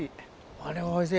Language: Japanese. これはおいしい。